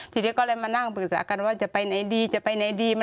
ทีนี้ก็เลยมานั่งปรึกษากันว่าจะไปไหนดีจะไปไหนดี